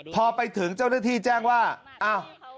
พอไปถึงเจ้าหน้าที่แจ้งว่าอ้าว